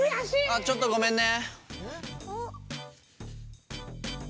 あちょっとごめんね。